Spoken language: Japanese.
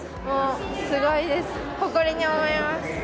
もうすごいです。